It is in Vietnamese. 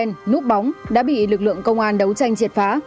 tín dụng đen núp bóng đã bị lực lượng công an đấu tranh triệt phá